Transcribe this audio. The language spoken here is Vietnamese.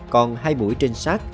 còn hai mũi trinh sát